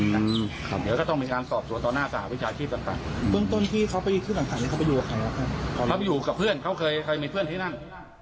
เด็กก็ก็แค่๑๔นั้น